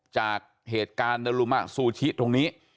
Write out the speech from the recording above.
จากเหตุการณ์เดลลุมะซูชิตรงนี้